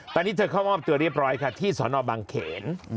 ตอนนี้เธอเข้ามอบตัวเรียบร้อยค่ะที่สนบางเขน